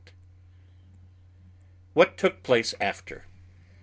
WHAT TOOK PLACE AFTER.